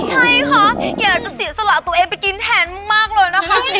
ใช่ค่ะอยากจะเสียสละตัวเองไปกินแทนมากเลยนะคะ